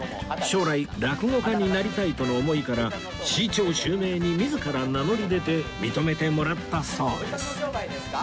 将来落語家になりたいとの思いから「志い朝」襲名に自ら名乗り出て認めてもらったそうです